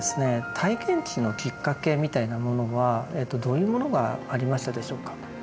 「体験知」のきっかけみたいなものはどういうものがありましたでしょうか。